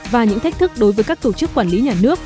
và những thách thức đối với các tổ chức quản lý nhà nước